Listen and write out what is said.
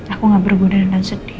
aku nggak berguna dengan sedih